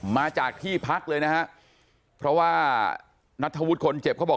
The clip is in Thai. มาจากที่พักเลยนะฮะเพราะว่านัทธวุฒิคนเจ็บเขาบอก